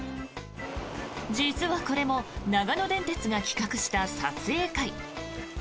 実はこれも長野電鉄が企画した撮影会。